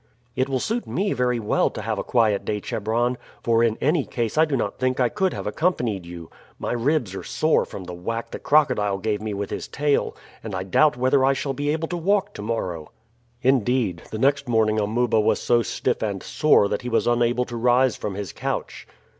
"It will suit me very well to have a quiet day, Chebron; for in any case I do not think I could have accompanied you. My ribs are sore from the whack the crocodile gave me with his tail, and I doubt whether I shall be able to walk to morrow." Indeed, the next morning Amuba was so stiff and sore that he was unable to rise from his couch.